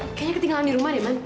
kayaknya ketinggalan di rumah ya mas